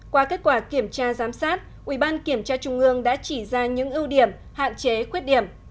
qua kết quả kiểm tra giám sát ủy ban kiểm tra trung ương đã chỉ ra những ưu điểm hạn chế khuyết điểm